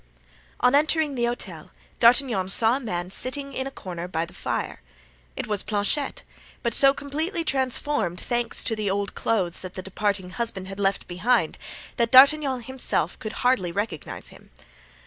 On entering the hotel D'Artagnan saw a man sitting in a corner by the fire. It was Planchet, but so completely transformed, thanks to the old clothes that the departing husband had left behind, that D'Artagnan himself could hardly recognize him.